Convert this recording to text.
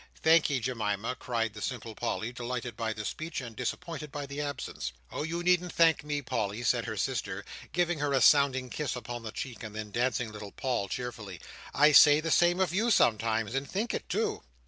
"Thankee, Jemima," cried the simple Polly; delighted by the speech, and disappointed by the absence. "Oh you needn't thank me, Polly," said her sister, giving her a sounding kiss upon the cheek, and then dancing little Paul cheerfully. "I say the same of you sometimes, and think it too."